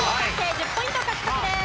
１０ポイント獲得です。